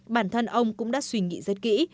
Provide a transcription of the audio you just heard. bản thân ông cũng đã suy nghĩ